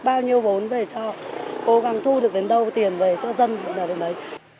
bao nhiêu bốn để cho cố gắng thu được đến đâu tiền về cho dân là đến đấy